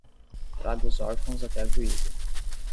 Traga os órfãos até a juíza